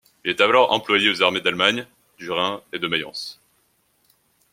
Il est alors employé aux armées d'Allemagne, du Rhin et de Mayence.